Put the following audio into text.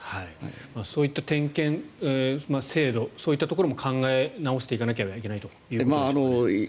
そういった点検、制度そういったところも考え直していかなきゃいけないということですかね。